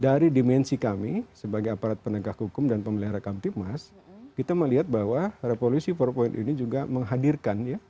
dari dimensi kami sebagai aparat penegak hukum dan pemelihara kantin mas kita melihat bahwa revolusi powerpoint ini juga menghadirkan